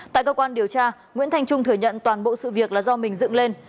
tại cơ quan điều tra nguyễn thanh trung thừa nhận toàn bộ sự việc là do mình dựng lên